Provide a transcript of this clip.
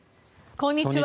こんにちは。